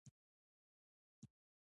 ایا هلک په کړکۍ کې ولاړ دی؟